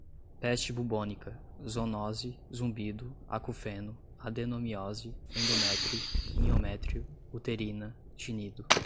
peste bubônica, zoonose, zumbido, acufeno, adenomiose, endométrio, miométrio, uterina, tinido